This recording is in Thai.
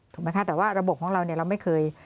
ถูกไหมคะแต่ว่าระบบของเราเนี่ยเราไม่เคย